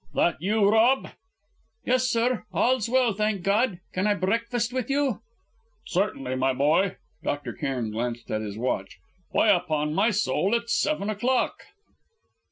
"That you, Rob?" "Yes, sir. All's well, thank God! Can I breakfast with you?" "Certainly, my boy!" Dr. Cairn glanced at his watch. "Why, upon my soul it's seven o'clock!"